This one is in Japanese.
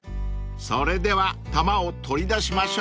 ［それでは珠を取り出しましょう］